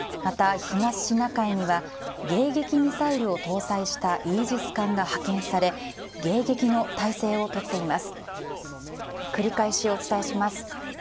また東シナ海には、迎撃ミサイルを搭載したイージス艦が派遣され、迎撃の態勢をとっています。